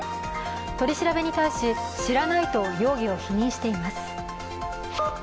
取り調べに対し、知らないと容疑を否認しています。